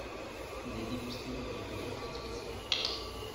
Il est dégusté lors d'occasions très spéciales.